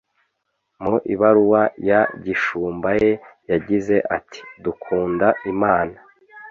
mu ibaruwa ya gishumbaye yagize ati dukunda imana